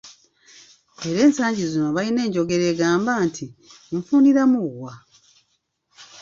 Era ensangi zino balina enjogera egamba nti, "Nfuniramu wa?"